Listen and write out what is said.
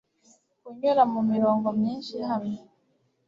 kunyura mumirongo myinshi ihamye